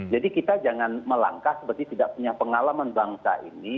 jadi kita jangan melangkah seperti tidak punya pengalaman bangsa ini